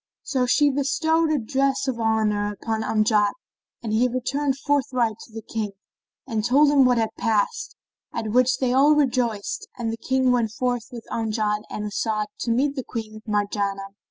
So she bestowed a dress of honour upon Amjad and he returned forthright to the King and told him what had passed, at which they all rejoiced and the King went forth with Amjad and As'ad to meet Queen Marjanah.